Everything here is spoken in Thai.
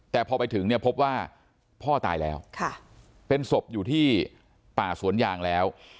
แต่พอไปถึงเนี่ยพบว่าพ่อตายแล้วเป็นศพอยู่ที่ป่าสวนยางแล้ว